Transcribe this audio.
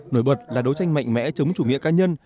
nổi bật là đấu tranh mạnh mẽ chống chủ nghĩa cá nhân